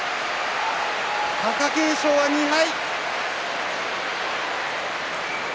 貴景勝は２敗。